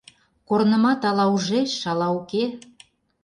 Корнымат ала ужеш, ала уке...